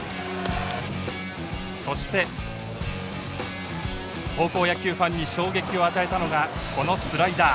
そして高校野球ファンに衝撃を与えたのがこのスライダー。